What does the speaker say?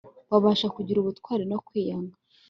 babasha kugira ubutwari no kwiyanga